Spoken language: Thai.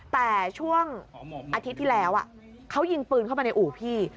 แต่ช่วงอาทิตย์ที่แล้วเขายิงปืนเข้ามาในอู่พี่